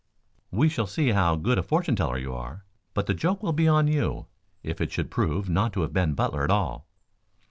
"We shall see how good a fortune teller you are, but the joke will be on you if it should prove not to have been Butler at all."